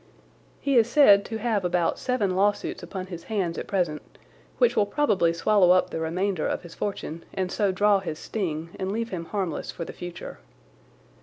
He is said to have about seven lawsuits upon his hands at present, which will probably swallow up the remainder of his fortune and so draw his sting and leave him harmless for the future.